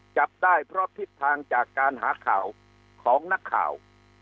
จับได้เพราะทิศทางจากการหาข่าวของนักข่าว